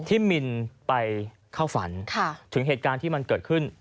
มินไปเข้าฝันถึงเหตุการณ์ที่มันเกิดขึ้น